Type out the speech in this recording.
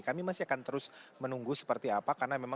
kami masih akan terus menunggu seperti apa